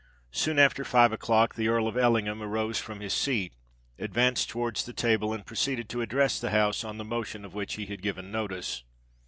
Soon after five o'clock the Earl of Ellingham rose from his seat, advanced towards the table, and proceeded to address the House on the motion of which he had given notice.